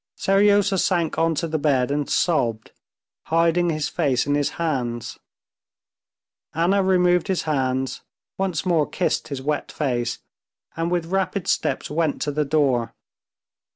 Seryozha sank onto the bed and sobbed, hiding his face in his hands. Anna removed his hands, once more kissed his wet face, and with rapid steps went to the door.